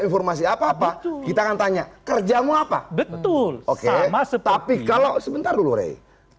informasi apa apa kita nantanya kerja mau apa betul oke masa tapi kalau sebentar dulu rei